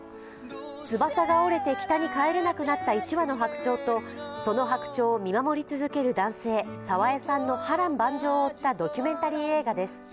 翼が折れて北に帰れなくなった１羽の白鳥とその白鳥を見守り続ける男性、澤江さんの波瀾万丈を追ったドキュメンタリー映画です。